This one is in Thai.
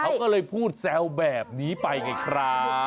เขาก็เลยพูดแซวแบบนี้ไปไงครับ